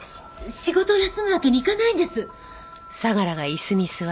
仕事を休むわけにいかないんです！